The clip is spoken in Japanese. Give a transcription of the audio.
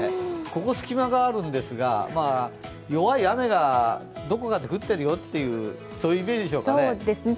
ここ隙間があるんですが、弱い雨がどこかで降ってるよってそういうイメージでしょうかね。